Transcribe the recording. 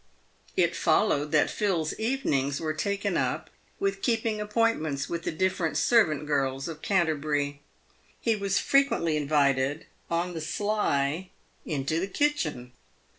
It fol lowed that Phil's evenings were taken up with keeping appointments with the different servant girls of Canterbury. He was frequently invited, on the sly, into the kitchen.